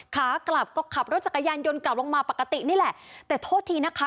ขากลับก็ขับรถจักรยานยนต์กลับลงมาปกตินี่แหละแต่โทษทีนะคะ